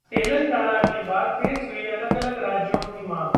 तेलंगाना के बाद तेज हुई अलग-अलग राज्यों की मांग